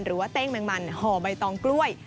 เต้งแมงมันห่อใบตองกล้วย